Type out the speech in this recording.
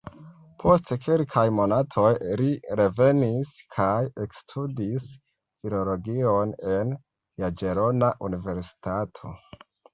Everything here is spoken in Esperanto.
Post kelkaj monatoj li revenis kaj ekstudis filologion en Jagelona Universitato.